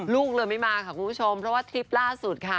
ลูกเลยไม่มาค่ะคุณผู้ชมเพราะว่าทริปล่าสุดค่ะ